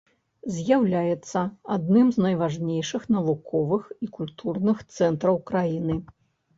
З'яўляецца адным з найважнейшых навуковых і культурных цэнтраў краіны.